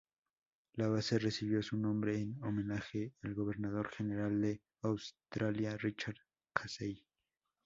La base recibió su nombre en homenaje al gobernador general de Australia Richard Casey.